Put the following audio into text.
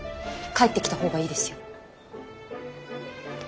帰ってきた方がいいですよ。